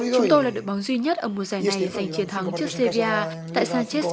chúng tôi là đội bóng duy nhất ở mùa giải này giành chiến thắng trước sevilla tại sanchez